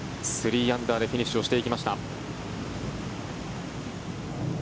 ３アンダーでフィニッシュしていきました。